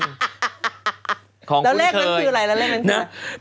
แล้วเลขนั้นคืออะไรแล้วเลขนั้นนะ